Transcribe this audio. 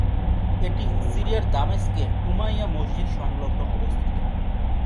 এটি সিরিয়ার দামেস্কের উমাইয়া মসজিদ সংলগ্ন অবস্থিত।